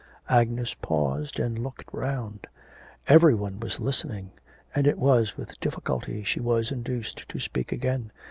Agnes paused and looked round. Every one was listening, and it was with difficulty she was induced to speak again....